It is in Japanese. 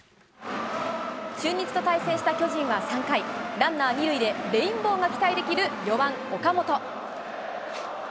中日と対戦した巨人は３回、ランナー２塁でレインボーが期待できる４番岡本。